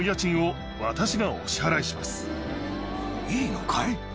いいのかい？